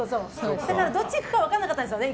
だからどっち行くか分からなかったんですよね。